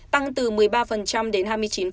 tăng từ một mươi ba đến hai mươi chín